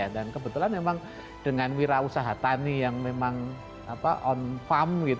dan kebetulan memang dengan wira usaha tani yang memang on farm